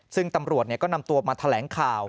ซึ่งตำรวจก็นำตัวมาแถลงข่าว